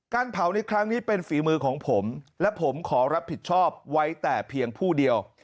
เผาในครั้งนี้เป็นฝีมือของผมและผมขอรับผิดชอบไว้แต่เพียงผู้เดียว